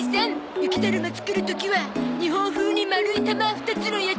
雪だるま作る時は日本風に丸い玉２つのやつ？